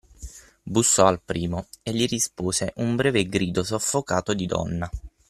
Bussò al primo e gli rispose un breve grido soffocato di donna.